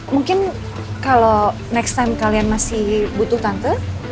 mungkin kalau next time kalian masih butuh tante